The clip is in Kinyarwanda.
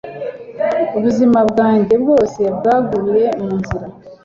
ubuzima bwanjye bwose bwaguye mu nzira